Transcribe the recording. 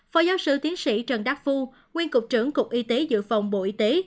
phó giáo sư tiến sĩ trần đắc phu nguyên cục trưởng cục y tế dự phòng bộ y tế